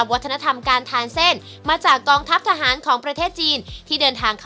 เพราะประเทศจีนจาจังแม่งเป็นสถานที่ต่าง